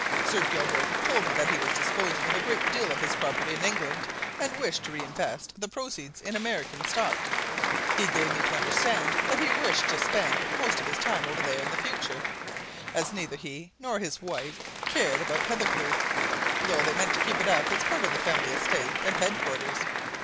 Sir Gilbert told me that he was disposing of a great deal of his property in England and wished to re invest the proceeds in American stock. He gave me to understand that he wished to spend most of his time over there in future, as neither he nor his wife cared about Hathercleugh, though they meant to keep it up as the family estate and headquarters.